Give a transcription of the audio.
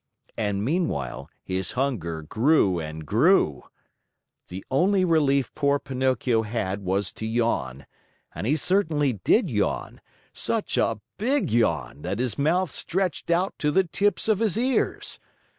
And meanwhile his hunger grew and grew. The only relief poor Pinocchio had was to yawn; and he certainly did yawn, such a big yawn that his mouth stretched out to the tips of his ears.